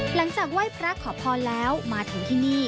หลังจากไหว้พระขอพรแล้วมาถึงที่นี่